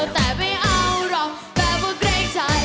แต่ไม่เอาหรอกแบบว่าเกรงใจ